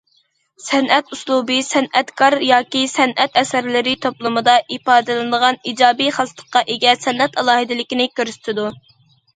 سەنئەت ئۇسلۇبى سەنئەتكار ياكى سەنئەت ئەسەرلىرى توپلىمىدا ئىپادىلىنىدىغان ئىجابىي خاسلىققا ئىگە سەنئەت ئالاھىدىلىكىنى كۆرسىتىدۇ.